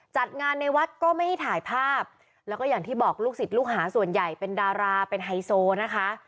จัดงานในวัดก็ไม่ให้ถ่ายภาพแล้วก็อย่างที่บอกลูกศิษย์ลูกหาส่วนใหญ่เป็นดาราเป็นไฮโซนะคะ